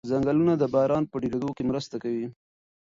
ځنګلونه د باران په ډېرېدو کې مرسته کوي.